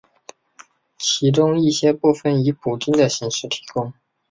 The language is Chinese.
其中一些部分以补丁的形式提供。